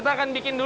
tuh itu ini